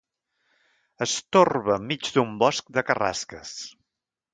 Es torba enmig d'un bosc de carrasques.